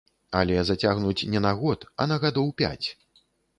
Але зацягнуць не на год, а на гадоў пяць.